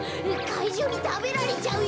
かいじゅうにたべられちゃうよ。